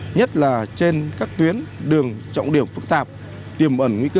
nhất là trên các tuyến đường trọng điểm phức tạp tiềm ẩn nguy cơ